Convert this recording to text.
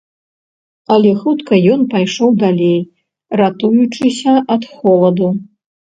Але хутка ён пайшоў далей, ратуючыся ад холаду.